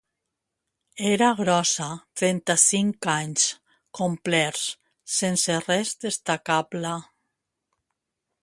Era grossa, trenta-cinc anys complerts, sense res destacable.